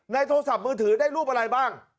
โทรศัพท์มือถือได้รูปอะไรบ้าง